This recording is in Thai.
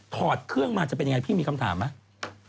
ถอดเครื่องมาจะเป็นยังไงพี่มีคำถามไหม